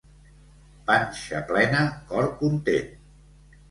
Panxa plena, cor content.